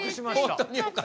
本当によかった！